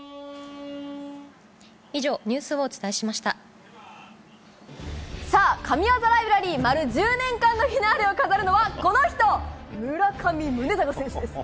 以上、ニュースをお伝えしまさあ、神技ライブラリー、丸１０年間のフィナーレを飾るのは、この人、村上宗隆選手です。